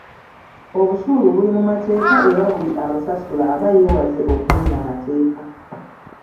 Obusuulu buli mu mateeka era buli abusasula aba yewaze okumenya amateeka.